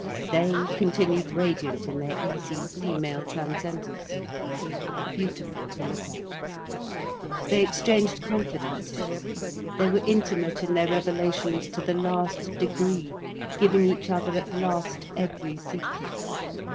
They continued radiant in their easy female transcendancy, beautiful to look at. They exchanged confidences, they were intimate in their revelations to the last degree, giving each other at last every secret.